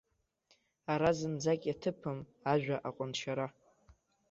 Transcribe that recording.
Ара, зынӡак иаҭыԥым ажәа аҟәыншьара.